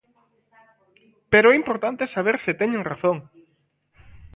Pero é importante saber se teñen razón.